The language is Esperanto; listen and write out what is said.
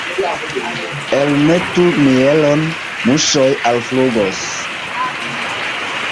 Elmetu mielon, muŝoj alflugos.